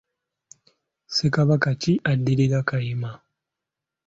Ssekabaka ki addirira Kayima?